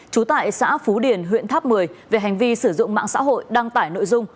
trú tại xã phú điền huyện tháp một mươi về hành vi sử dụng mạng xã hội đăng tải nội dung